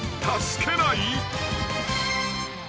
助けない？］